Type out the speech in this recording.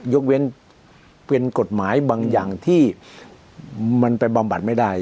ยกเว้นเป็นกฎหมายบางอย่างที่มันไปบำบัดไม่ได้